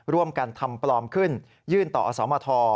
ร่วมกันทำปลอมขึ้นยื่นต่ออสมท